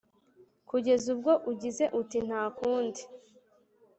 Kugeza ubwo ugize uti « ntakundi, »